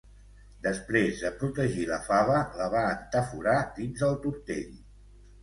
Després de protegir la fava, la va entaforar dins el tortell.